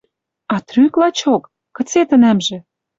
А трӱк — лачок? Кыце тӹнӓмжӹ?